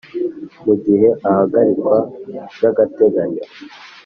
mugihe ahagarikwa by agateganyo